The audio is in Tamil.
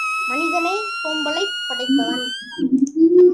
மனிதனே சோம்பலைப் படைப்பவன்!